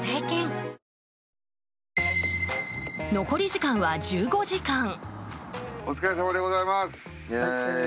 残り時間は１５時間。